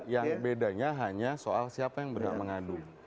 yang bedanya hanya soal siapa yang benar benar mengadu